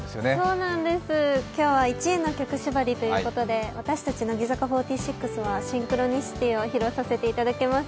そうなんです、今日は１位の曲しばりということで私たち乃木坂４６は「シンクロニシティ」を披露させていただきます。